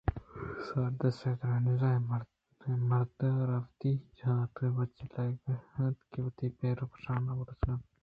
ساردِس ءُ ایتھنز اے مردءَ را وتی حاک ءِ بچّ لیک اَنت ءُ وتی پہرءُ شان ءَ بُرز کننت